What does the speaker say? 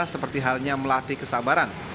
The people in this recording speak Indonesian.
seperti halnya melatih kesabaran